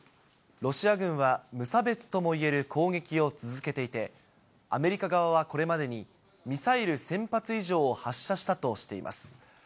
ロシア軍は、無差別ともいえる攻撃を続けていて、アメリカ側はこれまでに、ミサイル１０００発以上を発射したとしています。